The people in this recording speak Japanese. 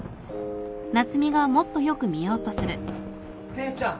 ・・姉ちゃん！